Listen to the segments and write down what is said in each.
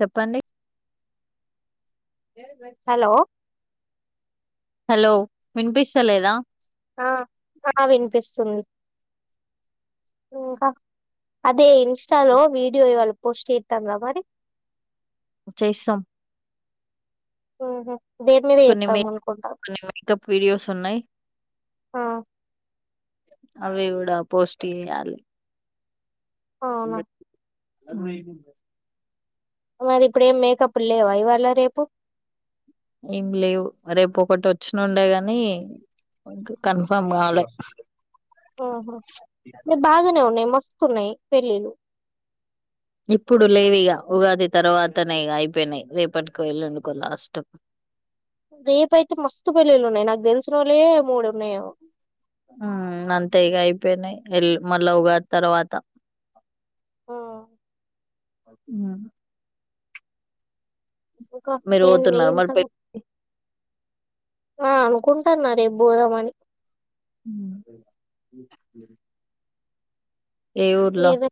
చెప్పండి hello hello వినిపిస్తలేదా ఆ ఆ వినిపిస్తుంది ఇంక అదే ఇన్స్టాలో వీడియో ఇవాళ పోస్ట్ ఎయితమ్ గ మరి చేసాం మ్ హు దేని మీదే కొన్ని మే ఎయిత్తం అనుకుంటా కొన్ని మేకప్ వీడియోస్ ఉన్నాయి ఆ అవి గూడా పోస్ట్ చేయాలి అవునా మరి ఇప్పుడు ఏం మేకప్లు లేవా ఇవాళ రేపు ఏం లేవు రేపు ఒకటి వచ్చిన ఉండే గాని కన్ఫర్మ్ గాలే మ్ హు మరి బాగానే ఉన్నాయి మస్తున్నాయి పెళ్ళిళ్ళు ఇప్పుడు లేవు ఇగ ఉగాది తర్వాతనే ఇగ అయిపోయినయ్ రేపటికో ఎళ్ళుండుకో లాస్ట్ రేపు అయితే మస్తు పెళ్ళిళ్ళు ఉన్నాయి నాకు దెలిసిన వోళ్ళే మూడు ఉన్నాయ ఏమో అంతే ఇగ అయిపోయినాయి వె మళ్ళా ఉగాది తర్వాత ఆ ఉ ఇంకా మీరు ఏంది పోతున్నారు ఏం మరి సంఘ పె ఆ అనుకుంటున్నారే బోదామని మ్ ఏ ఊర్లో ఏదో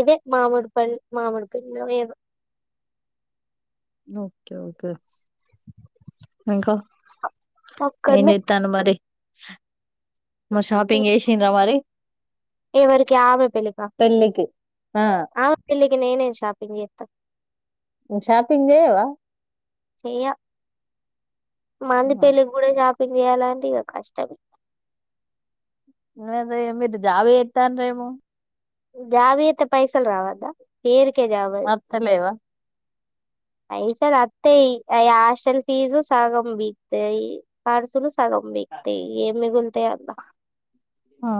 ఇదే మామిడిపల్లి మామిడిపిల్లో ఏదో ఓకే ఓకే ఇంక ఏన్ అక్కడనే జేత్తాను మరి మ షాపింగ్ చేసిన్రా మరి ఎవరికి ఆమె పెళ్లిక పెళ్ళికి ఆ ఆమె పెళ్లి కి నేనే షాపింగ్ చేస్తా షాపింగ్ జేయవ చెయ్య మాంది పెళ్ళి కూడా షా పింగ్ చేయలంటే ఇక కష్టం ఎంది మీరు జాబ్ ఎత్తాన్రేమో జాబ్ జేత్తే పైసల్ రావద్దా ఎరి వత్తలేవా పైసల్ అత్తయ్ అయ హాస్టల్ ఫీజు సగం బీగ్తది ఖర్సులు సగం బీగ్తయ్ ఏం మిగులుతాయ్ అ ఆ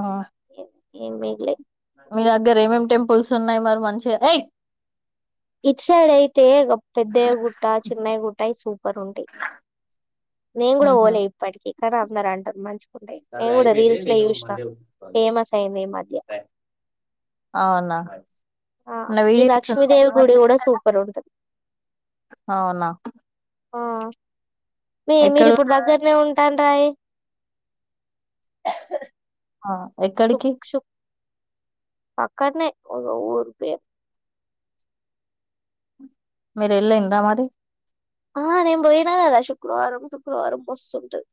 ఏం మిగులు మీ దగ్గర ఏం ఏం టెంపుల్స్ ఉన్నాయి మరి మంచి ఎయ్ ఇట్ సైడ్ అయితే ఒక పెద్దయ గుట్ట చిన్నయ గుట్టయి సూపర్ ఉంటయ్ నేను కూడా ఓలే ఇప్పటికీ కాని అందరు అంటరు మంచి ఉంటయ్ నేను కూడా రీల్స్ లో చూసిన ఫేమస్ అయింది ఈ మధ్య అవునా ఆ నా గీ వీడియోస్ లక్ష్మీదేవి ఉన్నాయా గుడి కూడా సూపర్ ఉంటది అవునా మ్ మీ ఎక్కడ మీరిప్పుడు దగ్గరనే ఉంటాన్రాయే ఆ శుక్ ఎక్కడికి శుక్ పక్కనే ఒక ఊరు పేరు మీరు ఎళ్ళిండ్ర మరి ఆ నేను బోయినా కదా శుక్రవారం శుక్రవారం మస్తుంటది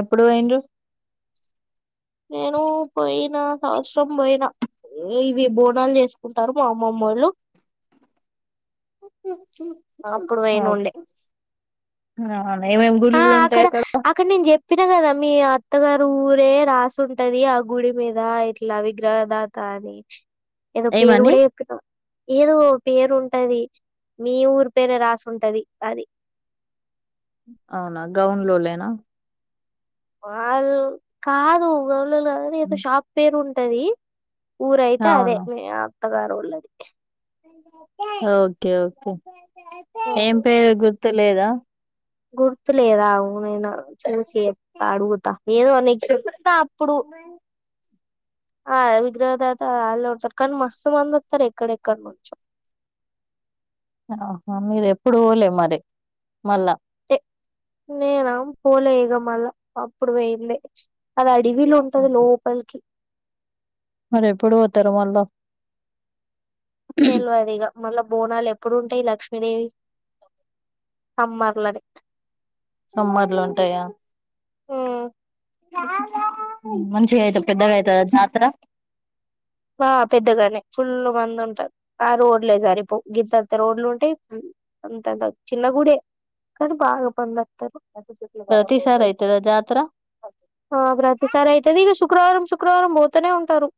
ఎప్పుడు ఒయిడ్రు నేను పోయిన సంవత్సరం పోయినా ఇవి బోనాలు చేేసుకుంటారు మా అమ్మమ్మోళ్ళు ఒకే అప్పుడు పోయినుండే అవునా ఏమేం గుళ్ళు ఉంటాయి అక్కడ చెప్పిన కదా మీ అత్తగారు ఊరే రాసింటది ఆ గుడి మీద ఇట్లా విగ్రహ దాత అదే ఏదో పేరు ఏమని కూడా చెప్పినా ఏదో పేరు ఉంటది మీ ఊరు పేర రాసుంటది అది అవునా గౌన్ లోలేనా వాళ్ళు కాదు ళ ఏదో షాప్ పేరు ఉంటది ఊరైతే అదే అవును మీ అత్తగారుళ్ళది ఓకే ఓకే ఏం పేరు గుర్తు లేదా గుర్తులేదు ఆగు నేను చూసి చెప్తా అడుగుతా ఏదో నీకు తా అప్పుడు ఆ విగ్రహదాత వాళ్ళు ఉంటరు కానీ మస్తు మంది వస్తారు ఎక్కడెక్కడ నుంచో ఆహా మీది ఎప్పుడు పొలే మరి మళ్ళా నేనా పోలే ఇగ మళ్ళా అప్పుడు పోయిందే. అది అడవిల ఉంటది లోపలికి. మరి ఎప్పుడు పోతరు మళ్ళా. తెల్వదిగ. మళ్ళా బోనాలు ఎప్పుడు ఉంటయి లక్ష్మీదేవియి, సమ్మర్లనే. సమ్మార్ల ఉంటయా. హ్మ్ మంచిగా అయిత పెద్దగా అయితదా జాతర. ఆ పెద్దగానే ఫుల్ మంది ఉంటరు ఆ రోడ్లే సరి పోపు గింతంతా రోడ్లు ఉంటయి. అంతంత చిన్న గుడే కానీ బాగా మందిఅత్తరు. ప్రతిసారి అయితదా జాతర ఆ ప్రతి సారి అయితది ఇగ శు క్రవారం శుక్రవారం పోతనే ఉంటరు.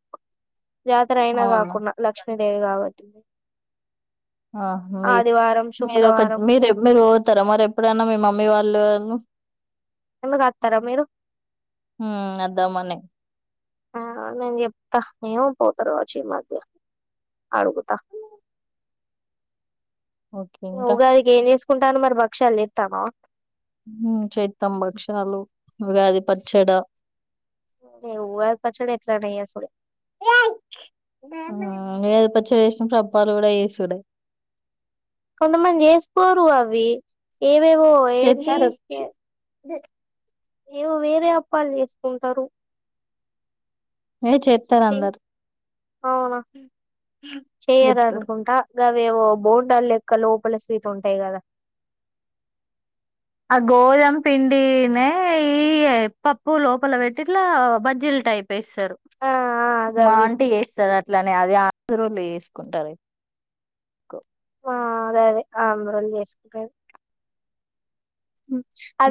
జాతర అయినా అవునా కాకున్నా లక్ష్మీ దేవి కాబట్టి ఆ మీ ఆదివారం మీరు ఒక శుక్రవారం మీరు మీరు పోతారా మరి ఎప్పుడన్నా మీ మమ్మీ వా లోళ్ళు ఎందుకు అత్తరా మీరు? మ్మ్ అద్దాం అనే. ఆ నేను చెప్తా ఏమో పోతరు కావచ్చు ఈ మధ్య అడుగుతా ఓకే ఇంకా ఉంటాను మరి భక్ష్యాలు చేత్తవా. హ్మ్ చెత్తం భక్ష్యాలు, ఉగాది పచ్చడ. ఎ ఉగాది పచ్చడి ఎట్లా అన్నా చేసుడే. అ ఇగ ఉగాది పచ్చడి చేసినప్పుడు అప్పాలు కూడ చేసుడే. కొంతమంది చేసుకోరు అవి. ఏవేవో ఏంటి చేస్తారు ఏమో వేరే అప్పాలు చేసుకుంటరు. ఏ చేస్తారు అందరు అవునా చేయరు చేస్తారు అనుకుంటా గ వేవో బోండాలు లెక్క లోపల స్వీట్ ఉంటయి కదా. ఆ గోధుమ పిండినే ఈ పప్పు లోపల పెట్టి ఇట్లా బజ్జీలు టైప్ వేస్తరు ఆ ఆ మా గవి అంటి చేస్తది అట్లనే అది ఆంధ్రోలు చేసుకుంటరు ఎక్కొ ఆ అదే అదే ఆంద్రోలు చేసుకునేది.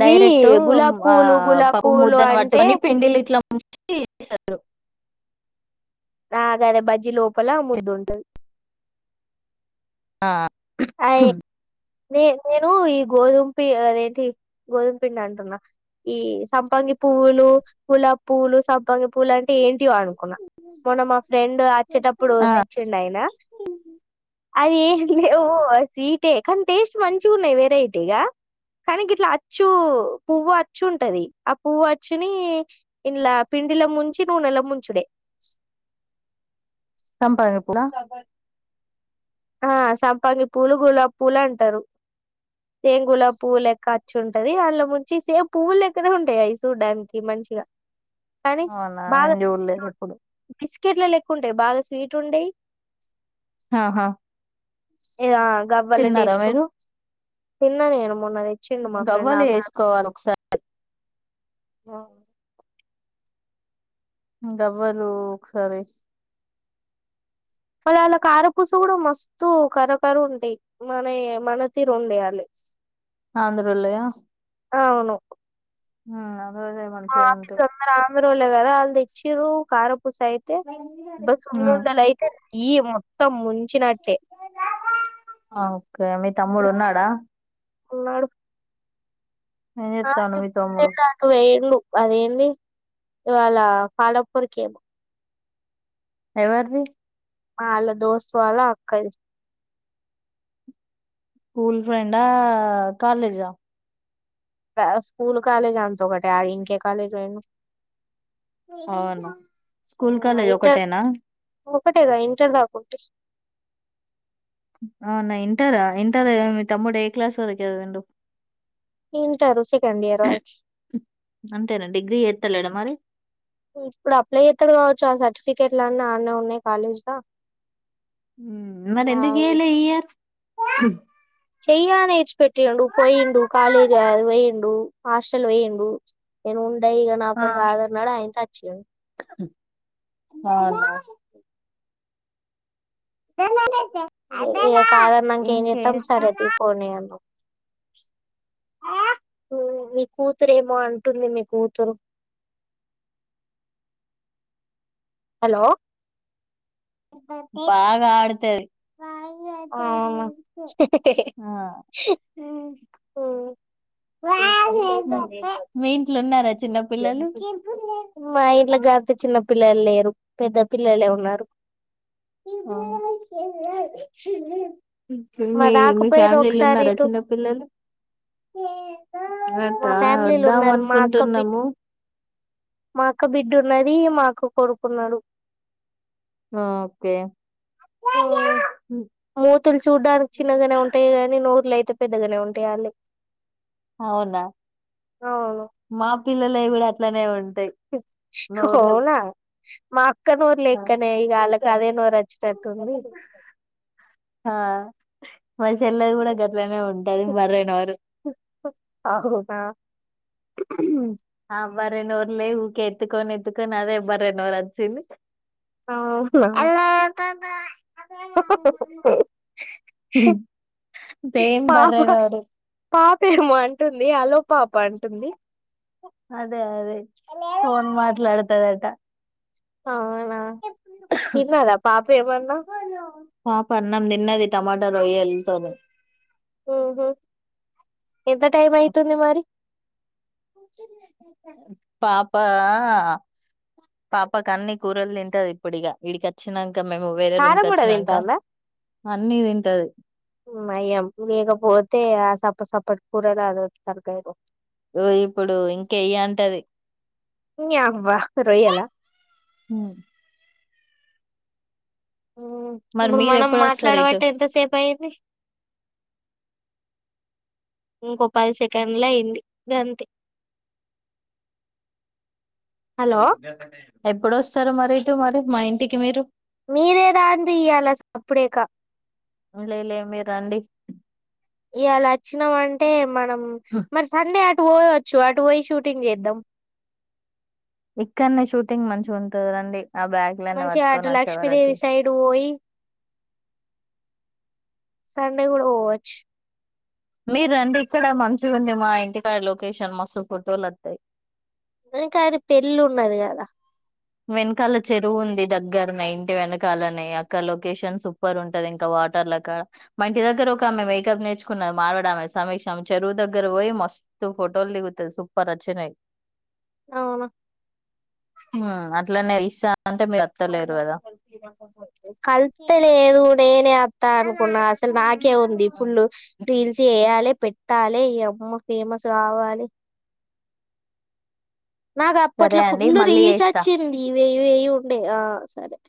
డైరెక్ట్ గులాబ్ ఆ పువ్వులు గులాబ్ పప్పు పువ్వులు ముద్దన్ అంటే వట్టుకొని పిండిల ఇట్లా ఇట్లా పెట్టీ చేస్తారు ఆగదే బజ్జి లోపల ముద్ద ఉంటది. ఆ అయే నే నేను ఈ గోధుమపి అదేంటి గోధుమ పిండి అంటున్నా. ఈ సంపగి పువ్వులు, గులాబి పువ్వులు సపు ప్పంగి పూలు అంటే ఏంటియో అనుకున్నా మొన్న మా ఫ్రెండ్ వచ్చేటప్పుడు ఆ తెచ్చిండు అయినా అయి ఏంలేవు స్వీటే కానీ టేస్ట్ మంచిగా ఉన్నయి వెరైటీగా కానీ గిట్లా అచ్చు పువ్వు అచ్చు ఉంటది, ఆ పువ్వు అచ్చుని ఇండ్లా పి ఇందిలా ముంచి నూనెల ముంచుడే. సంపంగి పూడా. ఆ సంపగి పూలు గులాబీ పూలు అంటారు సేమ్ గులాబ్ పువ్వు లెక్క అచ్చు ఉంటది అల్లా ముంచి సేమ్ పువ్వులు లేక్క ఉంటాయి అవి చూడ్డానికి మన్ ఉంచిన కానీసు అవునా నేను బాగాసు చూడలేదు ఎప్పుడు క్కెట్లా లెక్క ఉంటాయి బాగా స్వీట్ ఉండయి ఆహా ఏదా గవ్వల తిన్నారా టేస్ట్ మీరు తిన్న నేను మొన్నా తెచ్చిండు మా ఫ్రెండ్ గవ్వలు హాజర్ వేసుకోవాలి ఒకసారి ఆ గవ్వలు ఒకసారి వాళ్ళ అళ్ళ కారపూస కూడా మస్తు కరకర ఉంటాయి మనయి మన తీరు ఉండాయి అల్లాయి ఆంధ్రూలయ అవును నావు మా ఆఫీస్ అందరు ఆంద్రోళ్లే కదా వాళ్ళు తెచ్చారు కార పూస అయితే బస్ ఉం ఉందల అయితే ఈ మొత్తం ము ఆ ఓకే మీ తమ్ముడు ఉన్నాడా ఉన్నాడు ఏం ఆ చెప్తాండు మీ చెప్పులు తమ్ముడు లేక అటు వేళ్ళు వాలా ఏంది ఇవాళ పాలపూరికేమో ఎవరుది వాళ్ల దోస్త్ వాళ్ల అక్క ది స్కూల్ ఫ్రెండ్ ఆ కాలేజా ప్రాస్ స్కూల్ కాలేజ్ అంతా ఒకటే ఆ ఇంకే కాలేజ్ పోయిండు అవునా స్కూల్ కాలేజ్ ఇంటర్ ఒకటేనా ఒకటేగా ఇంటర్ దాకుంటే అవునా ఇంటరా ఇంటర్ మీ తమ్ముడు ఏ క్లాస్ వరకు చదివిండు ఇంటర్ సెకండ్ ఇయర్ వరకి అంతేనా డిగ్రీ ఎత్తలేడ మరి ఇప్పుడు అప్లై చేస్తాడు కావచ్చు ఆ సర్టిఫికేట్లు అన్ని అన్నే ఉన్నాయి కాలేజ్ లా ఉ మరి ఎందుకు అవి చేయాలే ఈ ఇయర్ చెయ్య అని ఈడిచి పెట్టిండు పోయిండు కాలేజ్ అ పోయిండు హాస్టల్ పోయిండు నేను ఉండా ఇగ ఆ నాతో కాదు అన్నాడు అయంత వచ్చిండు అనచ్చు ఇక కాదన్నాక ఏం చేస్తాం ఇంకేంటి సరే తీ పోనీ అన్నాం మీ కూతురు ఏమో అంటుంది మీ కూతురు హలో బాగా ఆడుతది ఆ ఓ అవునా ఏదో సౌండ్ అయ్యితాంది ఏందో మీ ఇంట్లో ఉన్నారా చిన్న పిల్లలు మరి గంత చిన్న పిల్లలు లేరు పెద్ద పిల్లలే ఉన్నారు ఆ మా మీ మీ రాకపోయారు ఫ్యామిలీల ఒకసారి ఉన్నారా ఇటు చిన్నపిల్లలు మా ఫ్యామిలీలు ఉన్నారు మా అక్క బి అనుకుంటున్నాము మా అక్ ఓ బిడ్డ ఉన్నది మాకు కొడుకు ఉన్నాడు ఆ ఓకే ఉమ్ మూతులు చూడ్డానికి చిన్నగానే ఉంటాయి గాని నో లయితే పెద్దగానే ఉంటాయి అల్లై అవునా అవును మా పిల్లలై కూడా అట్లనే ఉం అవునా మా అక్క నోరు లెక్కనే ఇగ అళ్లాకి అదే నోరు అచ్చినట్ హా మరి చెల్లెది కూడా గట్లనే ఉంటది బర్రె నోరు ఉ ఉ ఆ బర్రె నోర్లే ఊకె ఎత్తుకొని ఎత్తుకొని అదే బర్రె నోరు వచ్చింది అవునా హలో పాప సేమ్ పాప బర్రె నోరు పాపేమో అంటుంది హలో పాప అంటుంది అదే అదే ఫోన్ మాట్లాడుతదంటా అవునా తిన్నదా పాప ఏమన్నా పాప అన్నం తిన్నది టమాటా రొయ్యలతోని ఉహు ఎంత టైం అయితుంది మరి పాప పాపకి అన్ని కూరలు తింటది ఇప్పుడిగా ఈడికి అచ్చినంకా కా మేము వేరే రూమ్ కారం కి కూడా వచ్చినంక తింటాందా అన్ని తింటది నయం లేకపోతే ఆ సప్ప సప్ప కూరగాయలు తప్పుతాయిపో ఓ ఇప్పుడు ఇంకయ్యి అంటది నీ అవ్వ రొయ్యలా హ్మ్ మరి ఇప్పుడు మనం మీరెప్పుడు వస్తారు ఇటు మాట్లాడబట్టి ఎంతసేపు అయ్యింది ఇంకొక పది సెకండ్ల అయింది గంతే హలో ఎప్పుడొస్తారు మరి ఇటు మరి మా ఇంటికి మీరు మీరే రాండ్రియాల సప్పుడేక లేలే మీరు రండి ఈయాల అచ్చిన మంటే మనం మరి సండే అత్ పోయవచ్చు అటు పోయి షూటింగ్ చేద్దాం ఇక్కడనే షూటింగ్ మంచి ఉంటంది రండి ఆ బ్యాగ్ లన్ని మంచిగా పట్టుకొని అటు వచ్చే వరకి లక్ష్మీదేవి సైడ్ పోయి సండే కూడా పోవచ్చు మీరండి ఇక్కడ మంచిగా ఉంది మా ఇంటికాడా లొకేషన్ మస్తు ఫోటోలు అత్తయి దే కానీ పెళ్ళి ఉన్నది కదా వెనకాల చెరువు ఉంది దగ్గరనే ఇంటి వెనకాలనే అక్కడ లొకేషన్ సూపర్ ఉంటది ఇంకా వాటర్లక మా ఇంటి దగ్గర ఒకామె మేకప్ నేర్చుకున్నది మార్బడీ ఆమె సమీక్ష చెరువు దగ్గర పోయి మస్తు తూ ఫోటోలు దిగుతది సూపర్ వచ్చినయ్ అవునా హా అట్లనే ఇస్స కల్తలేదు నేనే అత్తా అనుకున్నా అసలు నాకే ఉంది ఫుల్ రీల్స్ చేయాలే పెట్టాలే ఈ అమ్మ ఫేమస్ కావాలే నాకు సరే అప్పట్లో అండి ఫుల్ మళ్ళీ రీచ్ చేస్తా అచ్చింది వెయ్యి వెయ్యి ఉండే ఆ సరే